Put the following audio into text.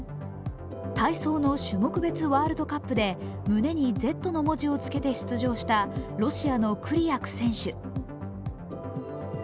体操の種目別ワールドカップで胸にＺの文字をつけて出場したロシアのクリアク選手。